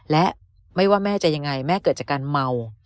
และไม่ว่าแม่จะยังไงแม่เกิดจากการเมา